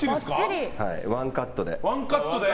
ワンカットで。